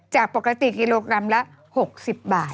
จากปกติกิโลกรัมละ๖๐บาท